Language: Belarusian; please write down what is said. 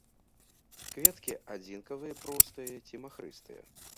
Кветкі адзінкавыя простыя ці махрыстыя.